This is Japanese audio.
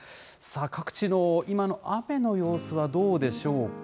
各地の今の雨の様子はどうでしょうか。